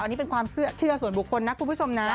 อันนี้เป็นความเชื่อส่วนบุคคลนะคุณผู้ชมนะ